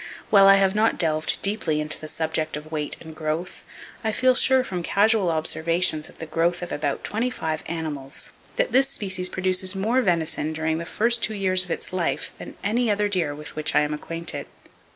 While I have not delved deeply into the subject of weight and growth, I feel sure from casual observations of the growth of about twenty five animals that this species produces more venison during the first two years of its life than any other deer with which I am acquainted.